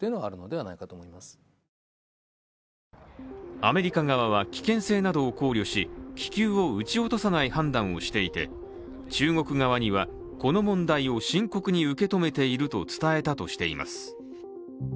アメリカ側は、危険性などを考慮し気球を撃ち落とさない判断をしていて、中国側にはこの問題を深刻に受け止めていると伝えたとしています。